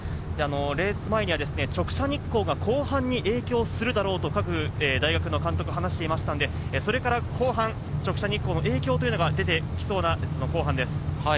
レース前に直射日光が後半に影響するだろうと各大学の監督が話していたので、後半、直射日光の影響が出てきそうな後半です。